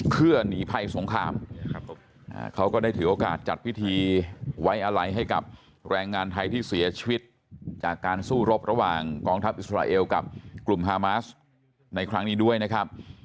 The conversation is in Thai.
เพื่อหนีภัยสงครามเขาก็ได้ถือโอกาสจัดพิธีไว้อะไรให้กับแรงงานไทยที่เสียชีวิตจากการสู้รบระหว่างกองทัพอิสราเอลกับกลุ่มฮามาสในครั้งนี้ด้วยนะครับ